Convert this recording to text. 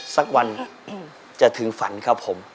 สักวันจะถึงฝันครับผม